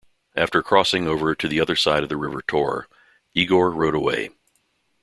After crossing over to the other side of the river Tor, Igor rode away.